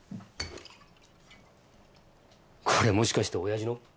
これもしかして親父の？